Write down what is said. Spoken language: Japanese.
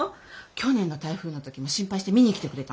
去年の台風の時も心配して見に来てくれたの。